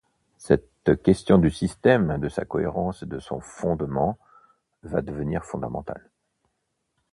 Cette question du système, de sa cohérence et de son fondement va devenir fondamentale.